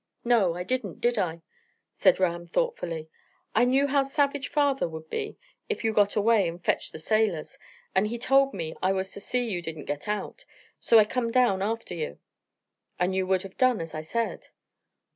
"No, I didn't, did I?" said Ram thoughtfully. "I knew how savage father would be if you got away and fetched the sailors; and he told me I was to see you didn't get out, so I come down after you." "And you would have done as I said."